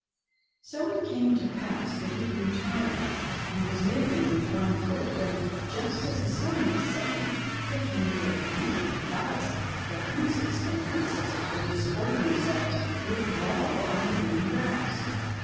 So it came to pass that he grew tired and was limping with one foot when just as the sun was setting they came to a beautiful palace where Princes and Princesses were disporting themselves with ball on the green grass.